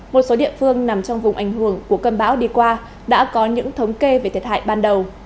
một số địa phương nằm trong vùng ảnh hưởng của cơn bão đi qua đã có những thống kê về thiệt hại ban đầu